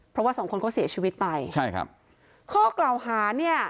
เพราะว่าสองคนเขาเสียชีวิตไปใช่ครับข้อกล่าวหาเนี่ย